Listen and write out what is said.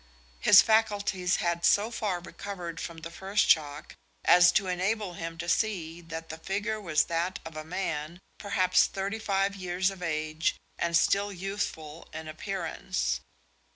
His faculties had so far recovered from the first shock as to enable him to see that the figure was that of a man perhaps thirty five years of age and still youthful in appearance.